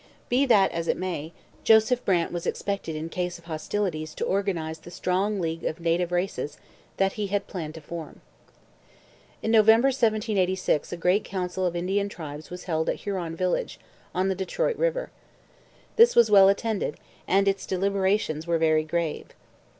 Be that as it may, Joseph Brant was expected in case of hostilities to organize the strong league of native races that he had planned to form. In November 1786 a great council of Indian tribes was held at Huron Village, on the Detroit river. This was well attended, and its deliberations were very grave.